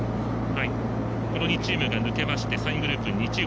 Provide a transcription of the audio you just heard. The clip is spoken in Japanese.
この２チームが抜けまして３位グループに２チーム。